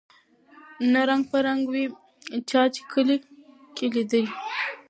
نه په رنګ وې چا په کلي کي لیدلی